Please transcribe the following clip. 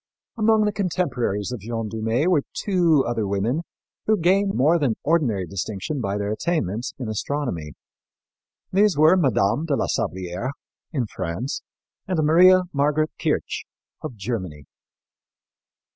Among the contemporaries of Jeanne Dumée were two other women who gained more than ordinary distinction by their attainments in astronomy. These were Mme. de la Sablière, in France, and Maria Margaret Kirch, of Germany.